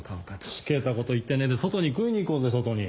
しけたこと言ってねえで外に食いに行こうぜ外に。